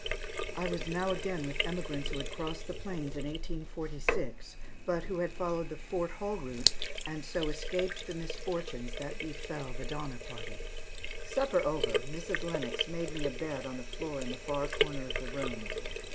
I was now again with emigrants who had crossed the plains in 1846, but who had followed the Fort Hall route and so escaped the misfortunes that befell the Donner Party. Supper over, Mrs. Lennox made me a bed on the floor in the far corner of the room.